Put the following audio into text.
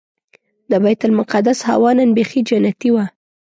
د بیت المقدس هوا نن بيخي جنتي وه.